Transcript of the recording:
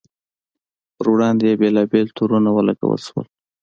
پر وړاندې یې بېلابېل تورونه ولګول شول.